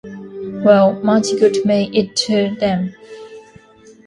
Well, much good may it do them!